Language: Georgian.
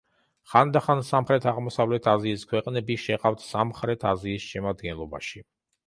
ხანდახან სამხრეთ-აღმოსავლეთ აზიის ქვეყნები შეჰყავთ სამხრეთ აზიის შემადგენლობაში.